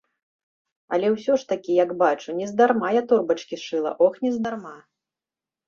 Але ўсё ж такі, як бачу, нездарма я торбачкі шыла, ох, нездарма!